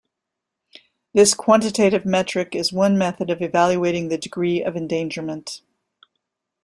This quantitative metric is one method of evaluating the degree of endangerment.